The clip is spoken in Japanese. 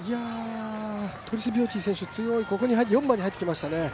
トリスビオティ選手強い、ここに入って４番に入ってきましたね